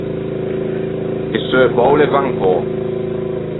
E seu poule van pöco.